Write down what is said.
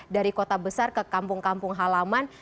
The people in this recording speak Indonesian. dari kota besar ke kampung kampung halaman